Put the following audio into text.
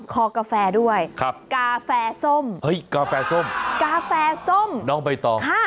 คอกาแฟด้วยกาแฟส้มกาแฟส้มน้องใบตอง